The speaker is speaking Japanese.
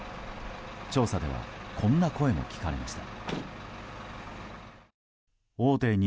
調査ではこんな声も聞かれました。